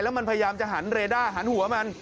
มันพยายามจะหันเรด้าหันหัวมัน